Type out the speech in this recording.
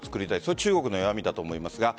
中国の弱みだと思いますが。